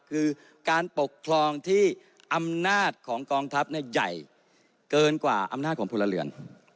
คือการปกครองที่อำนาจของกองทัพใหญ่เกินกว่าอำนาจของพลเรือน